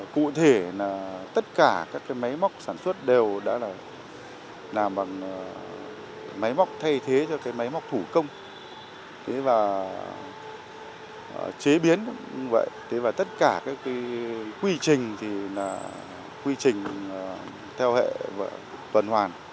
cụ thể tất cả các máy móc sản xuất đều đã làm bằng máy móc thay thế cho máy móc thủ công chế biến và tất cả quy trình theo hệ vận hoàn